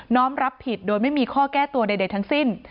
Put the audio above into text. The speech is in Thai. รับผิดโดยไม่มีข้อแก้ตัวใดทั้งสิ้น